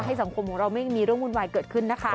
สังคมของเราไม่มีเรื่องวุ่นวายเกิดขึ้นนะคะ